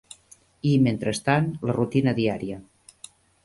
I, mentrestant, la rutina diària